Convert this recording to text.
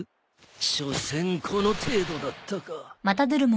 しょせんこの程度だったか。